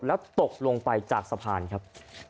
แล้วตกลงไปจากสะพานครับ